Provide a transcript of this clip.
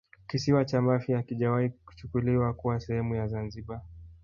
Kisiwa cha Mafia hakijawahi kuchukuliwa kuwa sehemu ya Zanzibar